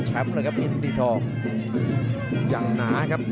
ส่วนข้างด้าน